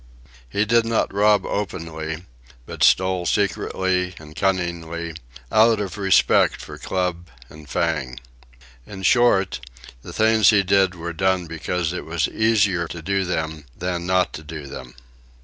He did not rob openly, but stole secretly and cunningly, out of respect for club and fang. In short, the things he did were done because it was easier to do them than not to do them.